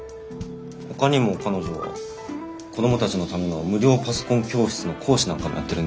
ほかにも彼女は子どもたちのための無料パソコン教室の講師なんかもやってるんですよ。